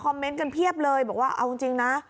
คอมเมนต์กันเพียบเลยบอกว่าเอาจริงจริงน่ะ